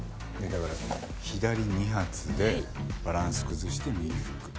だから左２発でバランス崩して右フック。